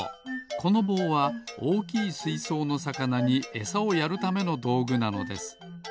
このぼうはおおきいすいそうのさかなにエサをやるためのどうぐなのです。